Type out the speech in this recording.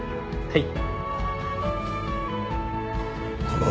はい。